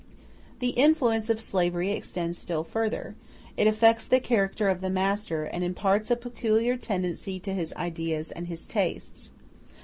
] The influence of slavery extends still further; it affects the character of the master, and imparts a peculiar tendency to his ideas and his tastes.